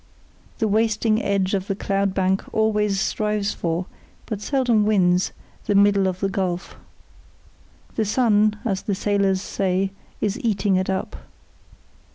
The wasting edge of the cloud bank always strives for, but seldom wins, the middle of the gulf. The sun as the sailors say is eating it up.